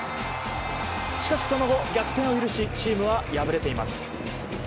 しかしその後、逆転を許しチームは敗れています。